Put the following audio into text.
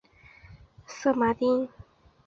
色麻町是位于宫城县西北部加美郡的一町。